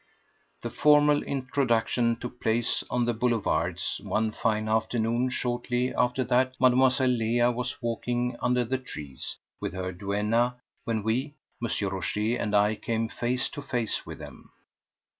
2. The formal introduction took place on the boulevards one fine afternoon shortly after that. Mlle. Leah was walking under the trees with her duenna when we—M. Rochez and I—came face to face with them.